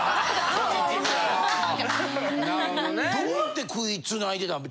どうやって食いつないでたん？